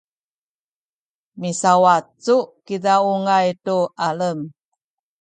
misawacu kiza ungay tu alem